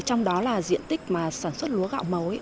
trong đó là diện tích sản xuất lúa gạo màu